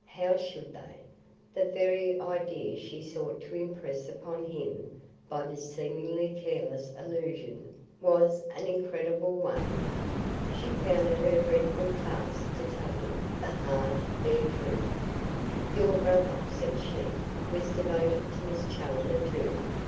How should they? The very idea she sought to impress upon him by this seemingly careless allusion was an incredible one. She found it her dreadful task to tell him the hard, bare truth. "Your brother," said she, "was devoted to Miss Challoner, too.